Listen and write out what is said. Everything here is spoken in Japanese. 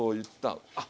あっ！